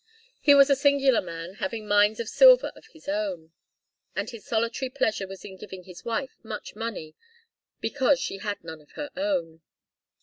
He was a singular man, having mines of silver of his own, and his solitary pleasure was in giving his wife much money, because she had none of her own.